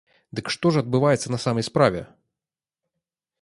Дык што ж адбываецца на самай справе?